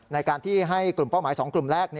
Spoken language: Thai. ในการที่ให้กลุ่มเป้าหมาย๒กลุ่มแรก